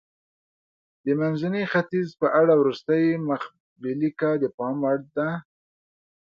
د منځني ختیځ په اړه وروستۍ مخبېلګه د پام وړ ده.